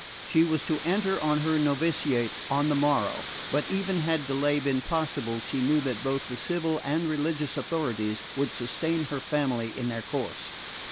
She was to enter on her novitiate on the morrow; but even had delay been possible she knew that both the civil and religious authorities would sustain her family in their course.